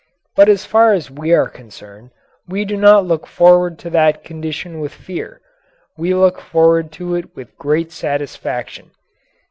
But as far as we are concerned, we do not look forward to that condition with fear we look forward to it with great satisfaction.